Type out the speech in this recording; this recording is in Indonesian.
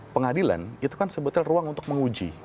pengadilan itu kan sebetulnya ruang untuk menguji